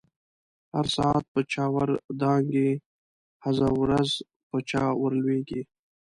هر ساعت په چاور دانګی، هزه ورځ په چا ور لويږی